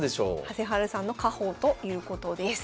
はせはるさんの家宝ということです。